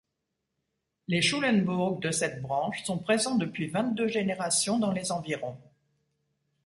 Les Schulenburg de cette branche sont présents depuis vingt-deux générations dans les environs.